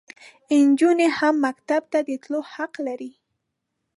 انجونې هم مکتب ته د تللو حق لري.